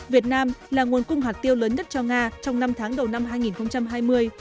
việt nam là nguồn cung hạt tiêu lớn nhất cho nga trong năm tháng đầu năm hai nghìn hai mươi